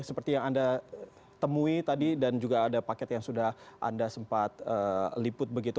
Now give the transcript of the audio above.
seperti yang anda temui tadi dan juga ada paket yang sudah anda sempat liput begitu